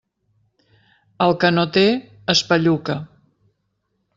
El que no té, espelluca.